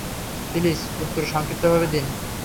Please, উত্তর সংক্ষিপ্তভাবে দিন।